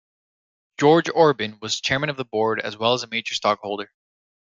George Orban was chairman of the board as well as a major stockholder.